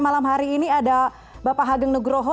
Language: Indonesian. malam hari ini ada bapak hageng nugroho